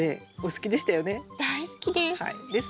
大好きです。